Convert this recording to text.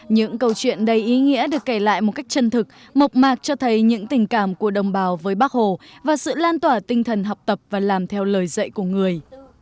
những câu chuyện đầy ý nghĩa được kể lại một cách chân thực mộc mạc cho thấy những tình cảm của đồng bào với bắc hồ và sự lan tỏa tinh thần học tập và làm theo lời dạy của người